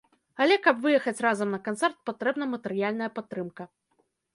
Але каб выехаць разам на канцэрт, патрэбна матэрыяльная падтрымка.